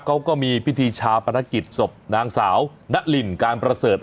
เขาก็มีพิธีชาปนกิจศพนางสาวณลินการประเสริฐ